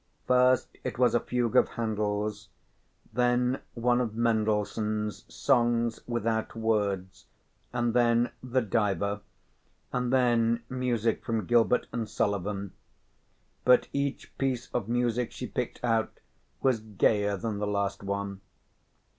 First it was a fugue of Handel's, then one of Mendelssohn's Songs Without Words, and then "The Diver," and then music from Gilbert and Sullivan; but each piece of music she picked out was gayer than the last one.